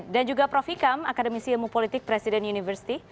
dan juga prof hikam akademisi ilmu politik presiden universiti